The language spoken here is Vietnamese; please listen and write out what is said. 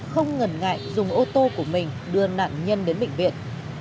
không ngần ngại dùng ô tô của mình đưa nạn nhân đến bệnh viện